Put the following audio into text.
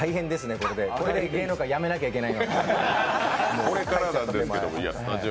これで芸能界やめなきゃいけない。